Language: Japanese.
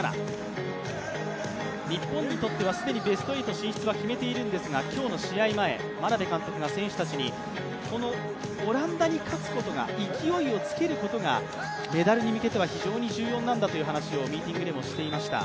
日本にとっては既にベスト８進出は決めているんですが今日の試合前、眞鍋監督が選手たちに、このオランダに勝つことが勢いをつけることがメダルに向けては非常に重要なんだということをミ−ティングでいっていました。